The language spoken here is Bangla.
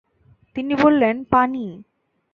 তিনি বললেন, পানি।